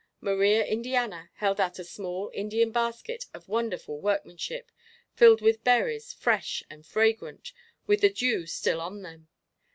Maria Indiana held out a small Indian basket of wonderful workmanship, filled with berries, fresh and fragrant, with the dew still on them.